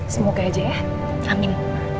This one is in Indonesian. semoga aja ya amin